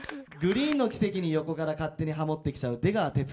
グリーンの「キセキ」に横から勝手にハモってきちゃう